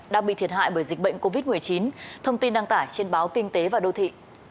đang bị thiệt hại bởi dịch bệnh covid một mươi chín thông tin đăng tải trên báo kinh tế và đô thị